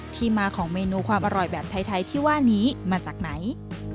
ที่มาของเมนูความอร่อยแบบไทยที่ว่านี้มาจากไหน